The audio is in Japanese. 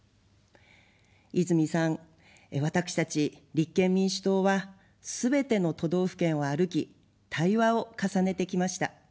泉さん、私たち立憲民主党は、すべての都道府県を歩き、対話を重ねてきました。